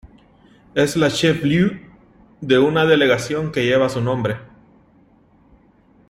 Es la Chef-lieu de una delegación que lleva su nombre.